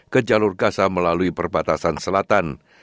ke jalur gaza melalui perbatasan selatan